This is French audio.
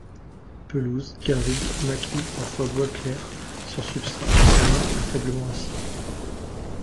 Pelouses, garrigues, maquis, parfois bois clairs, sur substrats alcalins à faiblement acides.